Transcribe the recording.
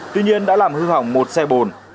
tuy nhiên đã làm hư hỏng một xe bồn